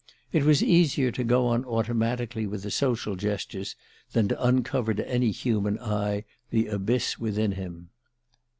It was easier to go on automatically with the social gestures than to uncover to any human eye the abyss within him.